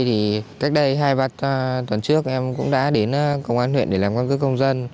thì cách đây hai tuần trước em cũng đã đến công an huyện để làm căn cứ công dân